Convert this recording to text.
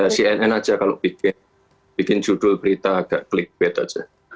ya cnn aja kalau bikin bikin judul berita agak klikbait aja